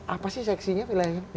apa sih seksinya pilihannya